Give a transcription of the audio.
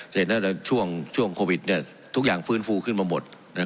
เสร็จแล้วช่วงโควิดทุกอย่างฟื้นฟูขึ้นมาหมด